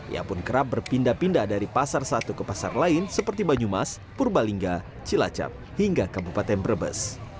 ia pun kerap berpindah pindah dari pasar satu ke pasar lain seperti banyumas purbalingga cilacap hingga kabupaten brebes